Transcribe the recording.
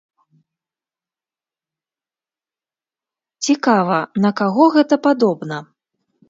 Цікава, на каго гэта падобна?